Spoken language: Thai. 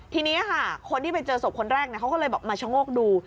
ทีนี้ค่ะคนที่ไปเจอศพคนแรกเขาก็เลยบอกมาชะโงกดู